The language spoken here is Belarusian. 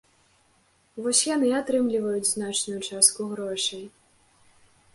Вось яны атрымліваюць значную частку грошай.